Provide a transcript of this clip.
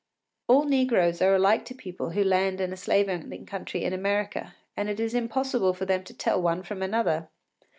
All negroes are alike to people who land in a slave owning country in America, and it is impossible for them to tell one from another.